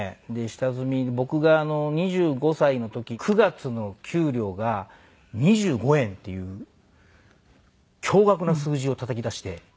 下積み僕が２５歳の時９月の給料が２５円っていう驚愕な数字をたたき出して。